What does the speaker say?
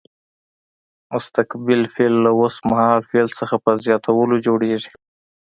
مستقبل فعل له اوس مهال فعل څخه په زیاتولو جوړیږي.